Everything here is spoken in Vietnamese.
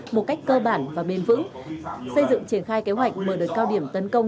một cách cơ bản và bền vững xây dựng triển khai kế hoạch mở đợt cao điểm tấn công